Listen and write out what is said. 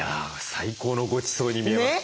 最高のごちそうに見えます。